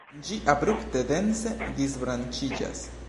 Ĝi abrupte dense disbranĉiĝas.